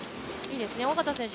小方選手